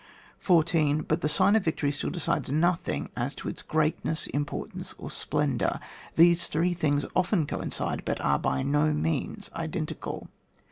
14. But the sign of victory still decides nothing as to its greatness, importance, or splendour. These three things often coincide, but are by no means identical.